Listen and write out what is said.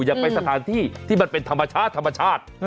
อยากไปสถานที่ที่มันเป็นธรรมชาติธรรมชาติ